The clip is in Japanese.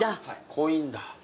濃いんだ。